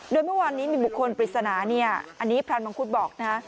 โดยเมื่อวานนี้มีบุคคลปริศนาเนี่ยอันนี้พรานมังคุดบอกนะ